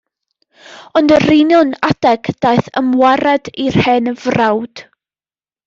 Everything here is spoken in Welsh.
Ond yr union adeg daeth ymwared i'r hen frawd.